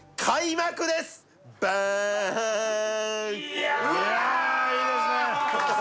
いやいやいいですね